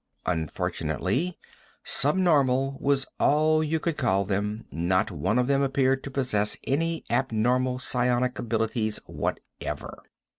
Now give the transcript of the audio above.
Unfortunately, subnormal was all you could call them. Not one of them appeared to possess any abnormal psionic abilities whatever.